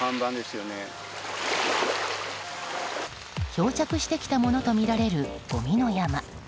漂着してきたものとみられるごみの山。